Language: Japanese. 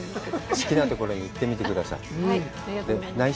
好きなところに行ってみてください。